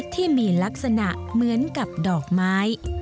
ที่มีลักษณะเหมือนกับดอกไม้